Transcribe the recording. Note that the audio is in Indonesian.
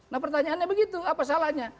nah pertanyaannya begitu apa salahnya